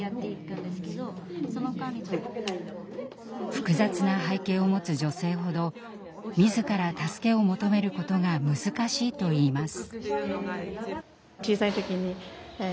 複雑な背景を持つ女性ほど自ら助けを求めることが難しいといいます。